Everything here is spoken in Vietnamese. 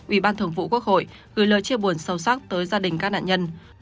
ủy ban thường vụ quốc hội gửi lời chia buồn sâu sắc tới gia đình các nạn nhân